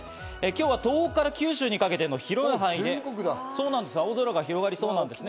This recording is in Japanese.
今日は東北から九州にかけて青空が広がりそうなんです。